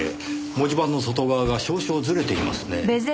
文字盤の外側が少々ずれていますねぇ。